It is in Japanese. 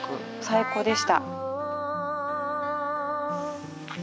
最高でした。